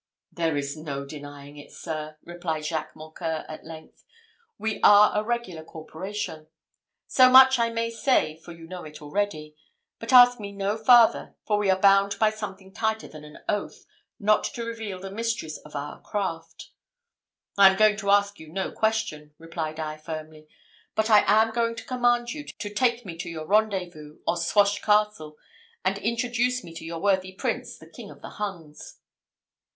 "There is no denying it, sir," replied Jacques Mocquer, at length; "we are a regular corporation. So much I may say, for you know it already; but ask me no farther, for we are bound by something tighter than an oath, not to reveal the mysteries of our craft." "I am going to ask you no questions," replied I, firmly; "but I am going to command you to take me to your rendezvous, or Swash Castle, and introduce me to your worthy prince, the King of the Huns."